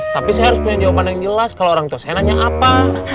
tapi saya harus punya jawaban yang jelas kalau orang tua saya nanya apa